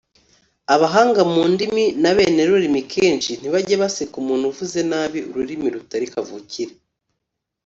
Abahanga mu ndimi n’abene rurimi kenshi ntibajya baseka umuntu uvuze nabi ururimi rutari kavukire